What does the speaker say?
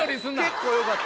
結構よかった。